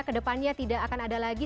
kedepannya tidak akan ada lagi